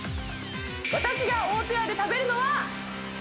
私が大戸屋で食べるのは。